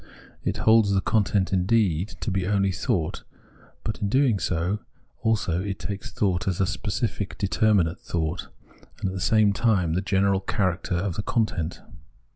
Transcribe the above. It holds Scepticism I95 the content indeed to be only thought, but in doing so also takes thought as a specific determinate thought, and at the same time the general character of the content.